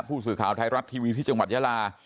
ผู้สื่อข่าวไทยรัฐทีวีที่จังหวัดยาลา